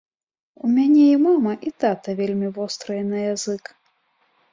У мяне і мама, і тата вельмі вострыя на язык.